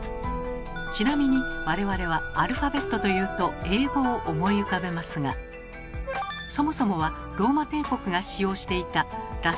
ちなみに我々はアルファベットというと英語を思い浮かべますがそもそもはローマ帝国が使用していたラテン語を書き表す文字なのです。